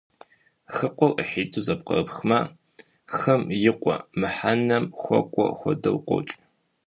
«Хыкъуэр» IыхьитIу зэпкърыпхмэ - «хым и къуэ» мыхьэнэм хуэкIуэ хуэдэу къокI.